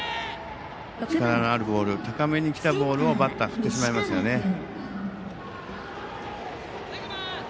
力のあるボール高めにきたボールをバッター振ってしまいましたね。